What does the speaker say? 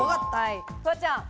フワちゃん。